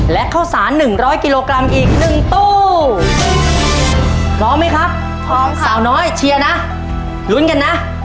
และข้าวสารหนึ่งร้อยกิโลกรัมอีกหนึ่งตู้พร้อมไหมครับพร้อมค่ะสาวน้อยเชียร์นะลุ้นกันนะ